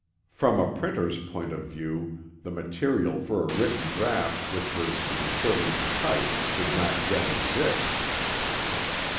From a printer's point of view the material for a written draught which was to be put into type did not yet exist.